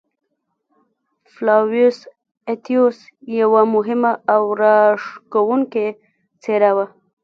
فلاویوس اتیوس یوه مهمه او راښکوونکې څېره وه.